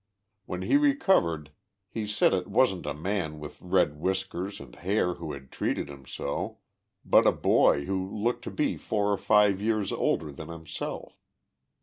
When he recovered he said it wasn't a man with red whiskers and hair who had treated him so, but a boy who looked to be four or live years older than himself.